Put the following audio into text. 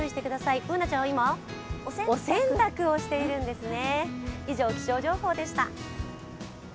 Ｂｏｏｎａちゃんは今、お洗濯をしているんですね。